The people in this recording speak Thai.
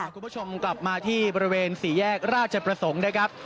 คุณผู้ชมกลับมาที่บริเวณสี่แยกราชประสงค์นะครับ